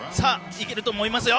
いけると思いますよ。